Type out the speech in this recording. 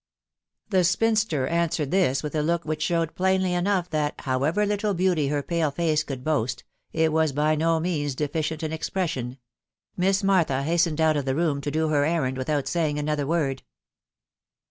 The spinster answered this with a look which showed plainly enough that, however little beauty her pale face could boast, it was by no means deficient in expression. Miss Martha hastened out of the room to do her errand without saying another word.